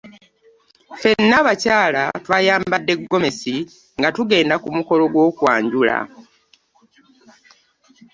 Ffena abakyala twayambadde gomesi nga tugenda kumukolo ogwokwanjula.